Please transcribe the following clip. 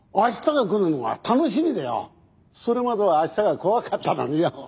それまでは明日が怖かったのによ。